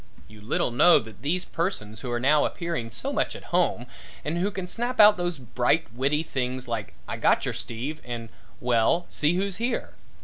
You little know that these persons who are now appearing so much at home and who can snap out those bright, witty things like "I gotcher Steve," and "Well, see who's here?"